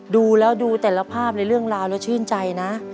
ดูแล้วดูแต่ละภาพในเรื่องราวแล้วชื่นใจนะ